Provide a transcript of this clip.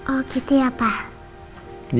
oh gitu ya pak